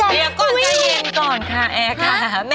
เดี๋ยวก่อนใจเย็นก่อนค่ะแอร์ค่ะ